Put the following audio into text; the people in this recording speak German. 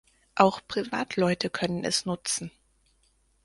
Auch Privatleute können es nutzen.